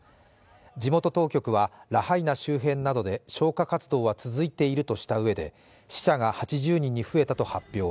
地元当局は、ラハイナ周辺などで消火活動は続いているとしたうえで死者が８０人に増えたと発表。